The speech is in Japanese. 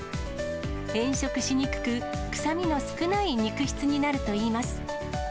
変色しにくく、臭みの少ない肉質になるといいます。